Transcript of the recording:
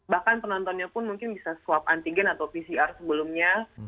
bahkan penontonnya pun mungkin bisa swab antigen atau pcr sebelumnya